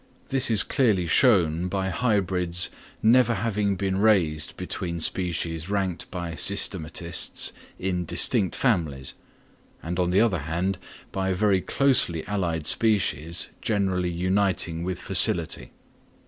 This is clearly shown by hybrids never having been raised between species ranked by systematists in distinct families; and on the other hand, by very closely allied species generally uniting with facility.